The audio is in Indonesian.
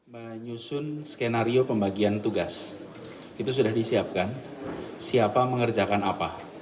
menyusun skenario pembagian tugas itu sudah disiapkan siapa mengerjakan apa